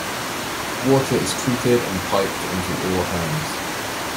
Water is treated and piped into all homes.